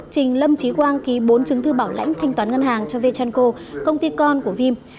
trình lâm trí quang ký bốn chứng thư bảo lãnh thanh toán ngân hàng cho vechanco công ty con của vim